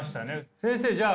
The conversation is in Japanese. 先生じゃあ